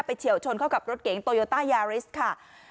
เฉียวชนเข้ากับรถเก๋งโตโยต้ายาริสค่ะ